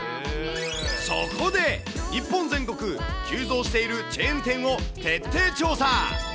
そこで、日本全国急増しているチェーン店を徹底調査。